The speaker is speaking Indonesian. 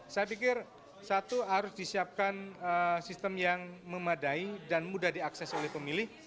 saya pikir satu harus disiapkan sistem yang memadai dan mudah diakses oleh pemilih